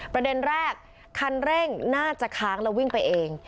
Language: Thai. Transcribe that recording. ประเด็นแรกคันเร่งน่าจะค้างแล้ววิ่งไปเอง